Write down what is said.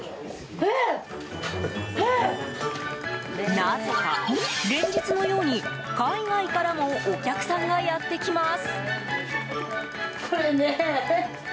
なぜか、連日のように海外からもお客さんがやってきます。